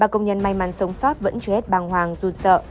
ba công nhân may mắn sống sót vẫn chết bàng hoàng run sợ